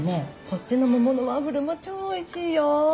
こっちの桃のワッフルも超おいしいよ。